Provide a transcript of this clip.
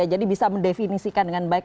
jadi bisa mendefinisikan dengan baik